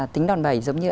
tính đòn bẩy giống như